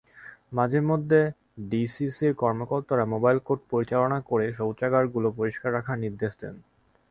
মাঝেমধ্যে ডিসিসির কর্মকর্তারা mobile court পরিচালনা করে শৌচাগারগুলো পরিষ্কার রাখার নির্দেশ দেন।